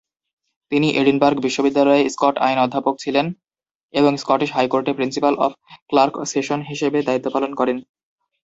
তিনি এডিনবার্গ বিশ্ববিদ্যালয়ে স্কট আইন অধ্যাপক ছিলেন এবং স্কটিশ হাইকোর্টে প্রিন্সিপাল ক্লার্ক অফ সেশন হিসেবে দায়িত্ব পালন করেন।